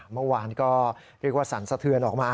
เมื่อวานก็เรียกว่าสั่นสะเทือนออกมา